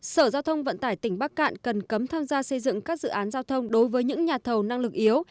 sở giao thông vận tải tỉnh bắc cạn cần cấm tham gia xây dựng các dự án giao thông đối với những nhà thầu năng lực yếu